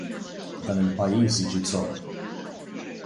Dan il-pajjiż jiġi zopp!